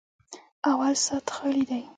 _اول سات خالي دی.